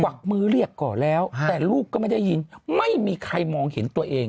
วักมือเรียกก่อนแล้วแต่ลูกก็ไม่ได้ยินไม่มีใครมองเห็นตัวเอง